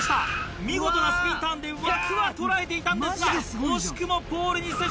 見事なスピンターンで枠は捉えていたんですが惜しくもポールに接触。